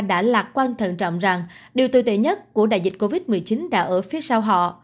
đã lạc quan thận trọng rằng điều tồi tệ nhất của đại dịch covid một mươi chín đã ở phía sau họ